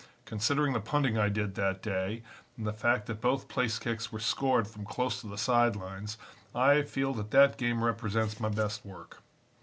Considering the punting I did that day, and the fact that both place kicks were scored from close to the side lines, I feel that that game represents my best work.